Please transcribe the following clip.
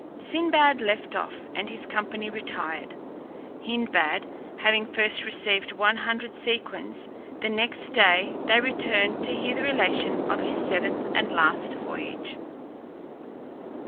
Sinbad left off, and his company retired, Hindbad having first received one hundred sequins; and next day they returned to hear the relation of his seventh and last voyage.